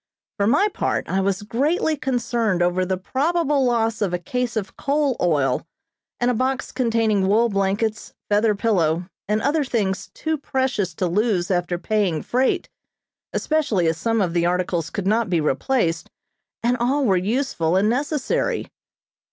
For my part, I was greatly concerned over the probable loss of a case of coal oil, and a box containing wool blankets, feather pillow, and other things too precious to lose after paying freight, especially as some of the articles could not be replaced, and all were useful and necessary.